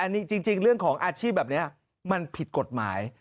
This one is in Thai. นี่จริงเรื่องของอาชีพแบบนี้มันผิดกฎหมาย